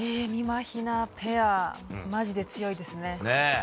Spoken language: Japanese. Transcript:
みまひなペアマジで強いですね。